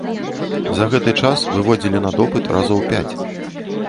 За гэты час выводзілі на допыт разоў пяць.